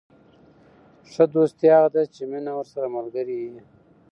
ښه دوستي هغه ده، چي مینه ورسره ملګرې يي.